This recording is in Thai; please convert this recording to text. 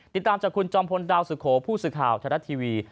ติดตามจากคุณจอมพลดาวสุโขผู้สื่อข่าวไทยรัฐทีวี